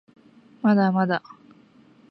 まだまだ